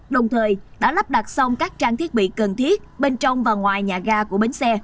đồng thời đã lắp đặt xong các trang thiết bị cần thiết bên trong và ngoài nhà ga của bến xe